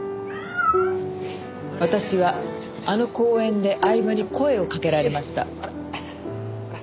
私はあの公園で饗庭に声をかけられました。